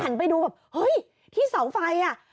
ไปดูแบบเฮ้ยที่เสาไฟอ่ะ